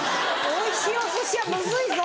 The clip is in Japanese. おいしいおすしはムズいぞ。